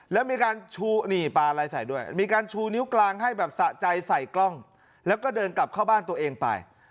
แล้วมีการชูนิ้วกลางให้แบบสะใจใส่กล้องแล้วก็เดินกลับเข้าบ้านตัวเองไป